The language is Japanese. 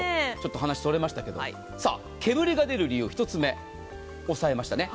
話がそれましたけど煙が出る理由１つ目抑えましたね。